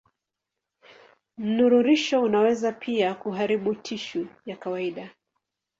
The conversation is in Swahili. Mnururisho unaweza pia kuharibu tishu ya kawaida.